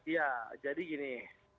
ya jadi gini